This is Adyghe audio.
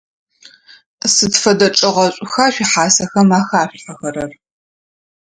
Сыд фэдэ чӏыгъэшӏуха шъуихьасэхэм ахашъулъхьэхэрэр?